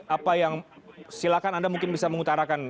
apa yang silakan anda mungkin bisa mengutarakan